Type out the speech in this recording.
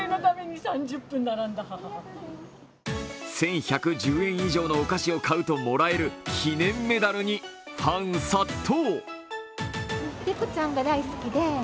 １１１０円以上のお菓子を買うともらえる記念メダルにファン殺到。